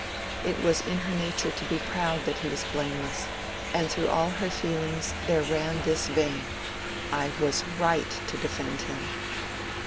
It was in her nature to be proud that he was blameless, and through all her feelings there ran this vein—"I was right to defend him."